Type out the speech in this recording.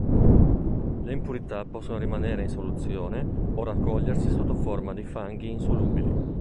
Le impurità possono rimanere in soluzione o raccogliersi, sotto forma di fanghi insolubili.